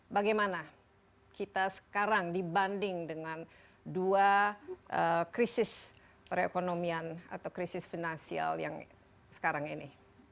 bagaimana kita sekarang dibanding dengan dua krisis perekonomian atau krisis finansial yang sekarang ini